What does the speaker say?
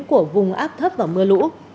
của vùng áp thấp và mưa lũ